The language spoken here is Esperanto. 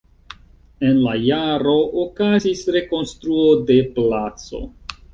En la jaro okazis rekonstruo de placo.